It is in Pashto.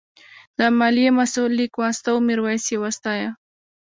د مالیې مسوول لیک واستاوه او میرويس یې وستایه.